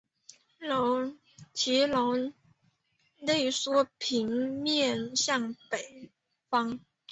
其门楼内缩并面向东北方。